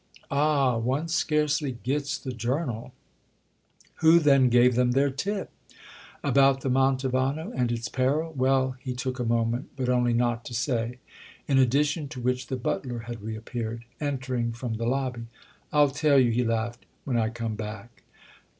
"Ah, one scarcely 'gets' the 'Journal'!" "Who then gave them their 'tip'?" "About the Mantovano and its peril?" Well, he took a moment—but only not to say; in addition to which the butler had reappeared, entering from the lobby. "I'll tell you," he laughed, "when I come back!"